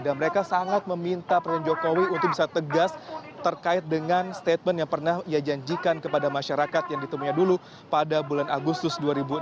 dan mereka sangat meminta presiden jokowi untuk bisa tegas terkait dengan statement yang pernah ia janjikan kepada masyarakat yang ditemunya dulu pada bulan agustus dua ribu enam belas